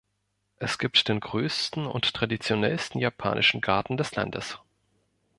Es gibt den größten und traditionellsten japanischen Garten des Landes.